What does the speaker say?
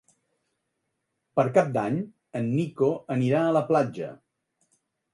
Per Cap d'Any en Nico anirà a la platja.